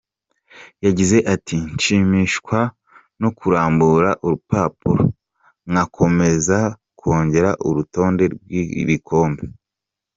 Yagize ati “Nshimishwa no kurambura urupapuro ngakomeza kongera urutonde rw’ibikombe.